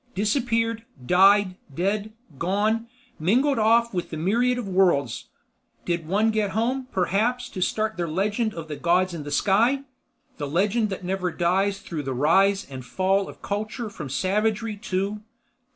Disappeared, died, dead, gone, mingled off with the myriad of worlds—did one get home, perhaps, to start their legend of the gods in the sky; the legend that never dies through the rise and fall of culture from savagery to